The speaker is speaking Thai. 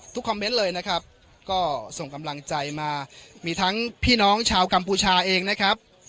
คอมเมนต์เลยนะครับก็ส่งกำลังใจมามีทั้งพี่น้องชาวกัมพูชาเองนะครับ